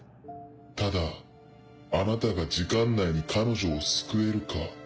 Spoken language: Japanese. ただあなたが時間内に彼女を救えるか。